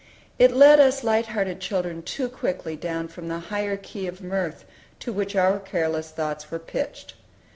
It let us light hearted children too quickly down from the higher key of mirth to which our careless thoughts were pitched.